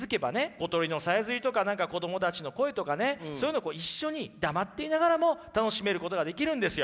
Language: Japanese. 小鳥のさえずりとか何か子供たちの声とかねそういうのを一緒に黙っていながらも楽しめることができるんですよ。